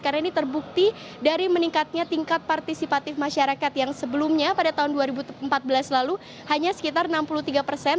karena ini terbukti dari meningkatnya tingkat partisipatif masyarakat yang sebelumnya pada tahun dua ribu empat belas lalu hanya sekitar enam puluh tiga persen